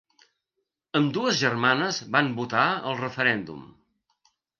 Ambdues germanes van votar al referèndum.